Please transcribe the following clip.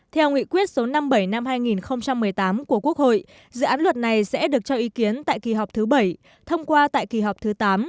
theo nghị quyết số năm mươi bảy năm hai nghìn một mươi tám của quốc hội dự án luật này sẽ được cho ý kiến tại kỳ họp thứ bảy thông qua tại kỳ họp thứ tám